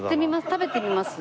食べてみます？